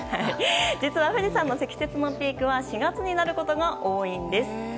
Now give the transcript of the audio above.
実は富士山の積雪のピークは４月になることが多いんです。